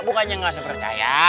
bukannya gak saya percaya